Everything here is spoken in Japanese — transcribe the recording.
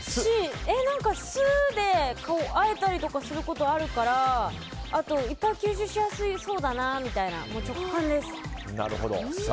何か、酢であえたりすることあるからあと、いっぱい吸収しやすそうだなという直感です。